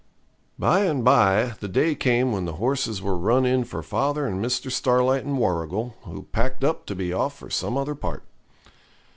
By and by, the day came when the horses were run in for father and Mr. Starlight and Warrigal, who packed up to be off for some other part.